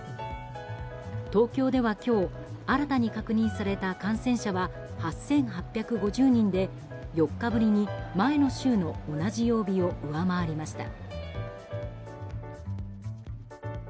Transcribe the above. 東京では今日新たに確認された感染者は８８５０人で４日ぶりに前の週の同じ曜日を上回りました。